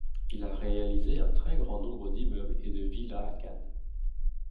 Il a réalisé un très grand nombre d'immeubles et de villas à Cannes.